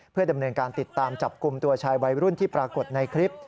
เพื่อดำเนินการติดตามจับกลุ่มตัวชายวัยรุ่นที่ปรากฏในคลิป